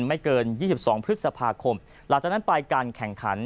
ไม่เกิน๒๒พฤษภาคมหลังจากนั้นไปการแข่งขัน